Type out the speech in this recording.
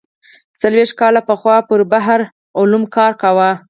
څلوېښت کاله پخوا پر بحر العلوم کار کاوه.